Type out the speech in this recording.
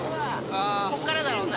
こっからだろうな。